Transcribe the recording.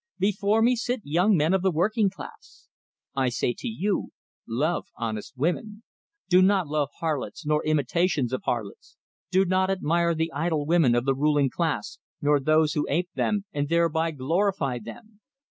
"Before me sit young men of the working class. I say to you: Love honest women. Do not love harlots, nor imitations of harlots. Do not admire the idle women of the ruling class, nor those who ape them, and thereby glorify them.